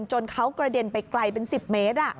จนเขากระเด็นไปไกลเป็น๑๐เมตร